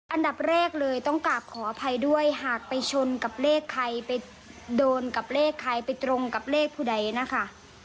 อันดับแรกเลยต้องกลับขออภัยด้วยหากไปชนกับเลขใครไปโดนกับเลขใครไปตรงกับเลขผู้ใดนะคะ